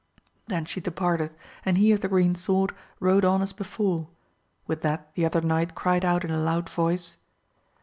Then she departed and he of the green sword rode on as before, with that the other knight cried out in a loud voice.